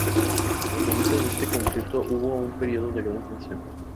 Al comienzo de este conflicto hubo un período de gran tensión.